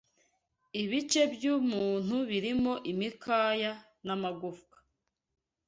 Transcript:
Ibice by’umuntu birimo imikaya n’ amagufwa